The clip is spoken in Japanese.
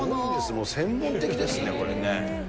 もう先端的ですね、これね。